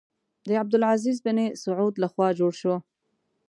د عبدالعزیز بن سعود له خوا جوړ شو.